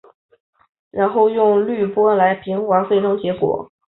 然后用滤波来平滑最终结果。